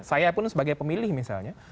saya pun sebagai pemilih misalnya